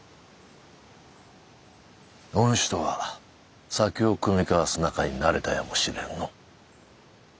お主とは酒を酌み交わす仲になれたやもしれぬの。